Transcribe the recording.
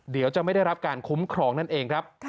เดี๋ยวจะไม่ได้รับการคุ้มครองนั่นเองครับ